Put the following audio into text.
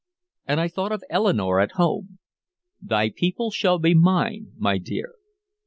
And I thought of Eleanore at home. "Thy people shall be mine, my dear."